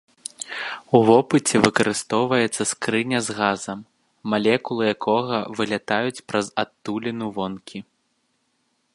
У вопыце выкарыстоўваецца скрыня з газам, малекулы якога вылятаюць праз адтуліну вонкі.